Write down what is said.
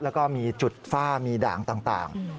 แล้วก็มีจุดฝ้ามีด่างต่าง